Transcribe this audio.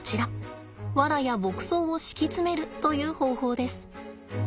ワラや牧草を敷き詰めるという方法です。